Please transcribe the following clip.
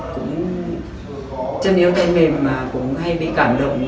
cũng chân yêu tay mềm mà cũng hay bị cảm động